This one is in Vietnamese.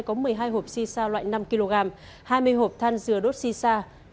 có một mươi hai hộp xì xa loại năm kg hai mươi hộp than dừa đốt xì xa